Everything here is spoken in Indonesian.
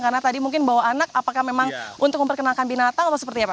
karena tadi mungkin bawa anak apakah memang untuk memperkenalkan binatang atau seperti apa